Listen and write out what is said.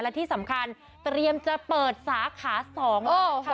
และที่สำคัญเตรียมจะเปิดสาขาสอง